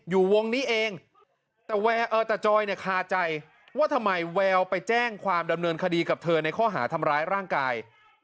อยู่วงนี้เองแต่จอยเนี่ยคาใจว่าทำไมแววไปแจ้งความดำเนินคดีกับเธอในข้อหาทำร้ายร่างกาย